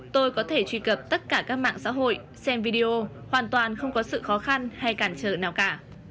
tôi có thể truy cập tất cả các mạng xã hội xem video hoàn toàn không có sự khó khăn hay cản trở nào cả